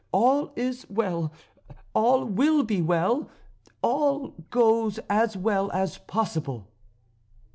All is well, all will be well, all goes as well as possible."